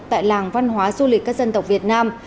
tại làng văn hóa du lịch các dân tộc việt nam